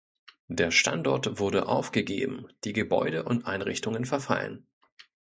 Der Standort wurde aufgegeben, die Gebäude und Einrichtungen verfallen.